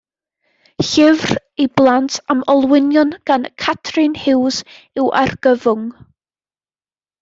Llyfr i blant am olwynion gan Catrin Hughes yw Argyfwng!